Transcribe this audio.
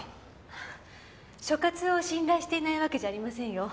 所轄を信頼していないわけじゃありませんよ。